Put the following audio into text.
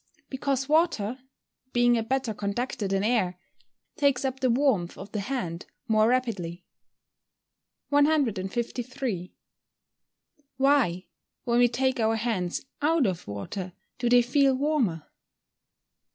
_ Because water, being a better conductor than air, takes up the warmth of the hand more rapidly. 153. _Why, when we take our hands out of water do they feel warmer?